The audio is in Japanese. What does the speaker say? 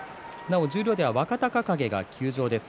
十両では若隆景が休場です。